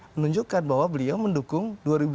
menunjukkan bahwa beliau mendukung